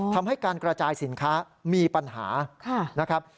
ทำให้การกระจายสินค้ามีปัญหานะครับ